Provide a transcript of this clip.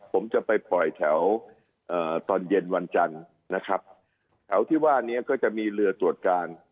ผมจะไปปล่อยแถวตอนเย็นวันจันทร์นะครับแถวที่ว่านี้ก็จะมีเรือตรวจการ